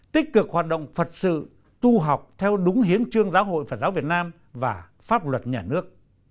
tích cực hoạt động phật sự tu học theo đúng hiến trương giáo hội phật giáo việt nam và pháp luật nhà nước